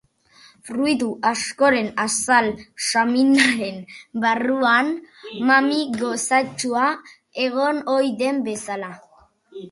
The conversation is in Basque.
Fruitu askoren azal saminaren barruan mami gozatsua egon ohi den bezala.